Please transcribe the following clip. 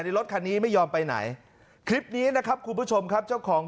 รถคันนี้ไม่ยอมไปไหนคลิปนี้นะครับคุณผู้ชมครับเจ้าของ